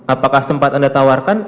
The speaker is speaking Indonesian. apakah sempat anda tawarkan